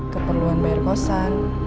keperluan bayar kosan